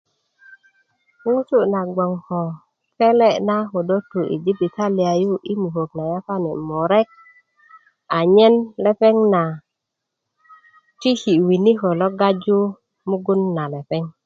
ŋutu na gbon ko pele' na ködö tu i jibitali yu i mukök na yapani murek anyen lepeŋ na tiki winiko lo gaju mugun na lepeŋ